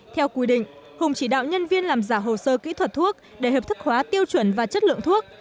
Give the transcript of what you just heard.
theo quy định hùng chỉ đạo nhân viên làm giả hồ sơ kỹ thuật thuốc để hợp thức hóa tiêu chuẩn và chất lượng thuốc